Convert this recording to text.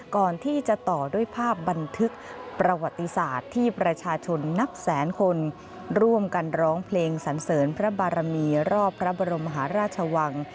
ก่อนที่จะต่อด้วยภาพบันทึกประวัติศาสตร์ที่ประชาชนนับแสนคนร่วมกันร้องเพลงสันเสริญพระบารมีรอบพระบรมหาราชวัง